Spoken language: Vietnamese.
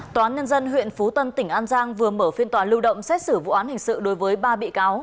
tòa án nhân dân huyện phú tân tỉnh an giang vừa mở phiên tòa lưu động xét xử vụ án hình sự đối với ba bị cáo